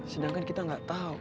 sedangkan kita nggak tahu